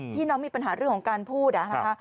ที่น้องมีปัญหาเรื่องของการพูด